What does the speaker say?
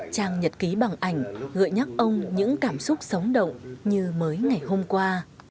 trang nhật ký bằng ảnh gợi nhắc ông những cảm xúc sống động như mới ngày hôm qua